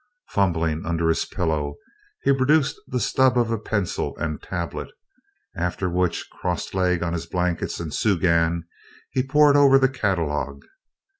Fumbling under his pillow, he produced the stub of a pencil and a tablet, after which, crosslegged on his blankets and soogan, he pored over the catalogue.